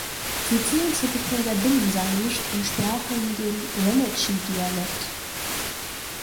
Sie zählen zur Gruppe der Binnen-Salish und sprachen den Wenatchee-Dialekt.